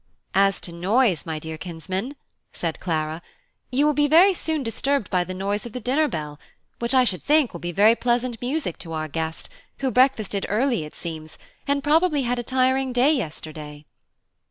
"As to noise, my dear kinsman," said Clara, "you will very soon be disturbed by the noise of the dinner bell, which I should think will be very pleasant music to our guest, who breakfasted early, it seems, and probably had a tiring day yesterday."